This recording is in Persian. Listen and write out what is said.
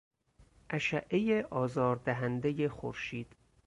اشعهی آزار دهندهی خورشید